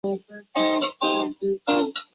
不会透漏他们的位置